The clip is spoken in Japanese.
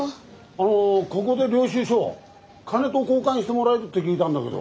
あのここで領収書を金と交換してもらえるって聞いたんだけど。